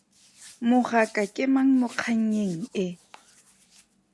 Mogaka ke mang mo kgannyeng e?